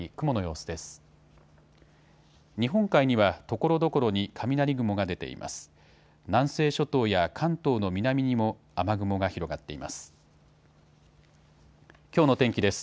日本海にはところどころに雷雲が出ています。